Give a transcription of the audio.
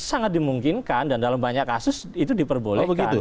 sangat dimungkinkan dan dalam banyak kasus itu diperbolehkan